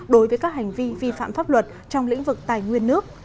đối với các hành vi vi phạm pháp luật trong lĩnh vực tài nguyên nước